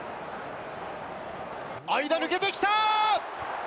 間抜けてきた。